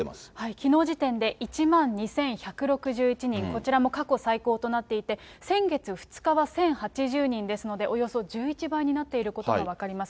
きのう時点で１万２１６１人、こちらも過去最高となっていて、先月２日は１０８０人ですので、およそ１１倍になっていることが分かります。